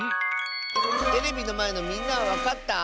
テレビのまえのみんなはわかった？